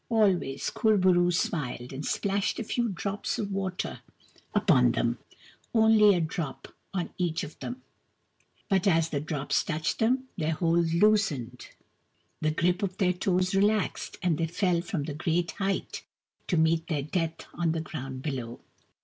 Always Kur bo roo smiled, and splashed a few drops of water upon them : only a drop on each of them, but as the drops touched them their hold loosened, the grip of their toes relaxed, and they fell from the great height, to meet their death on the ground below.